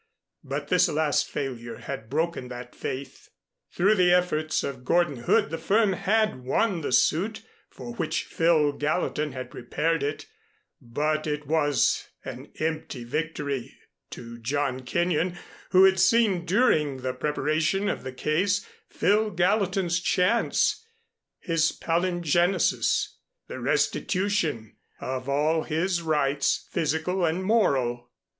But this last failure had broken that faith. Through the efforts of Gordon Hood the firm had won the suit for which Phil Gallatin had prepared it, but it was an empty victory to John Kenyon, who had seen during the preparation of the case Phil Gallatin's chance, his palingenesis the restitution of all his rights, physical and moral.